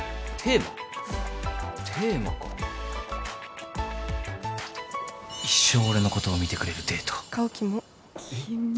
テーマか一生俺のことを見てくれるデート顔キモッキモ